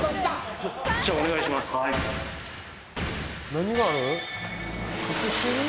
何があるん？